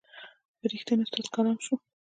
پر رښتین استاد کلام سو